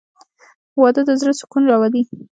• واده د زړه سکون راولي.